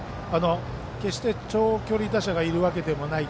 決して長距離打者がいるわけでもない。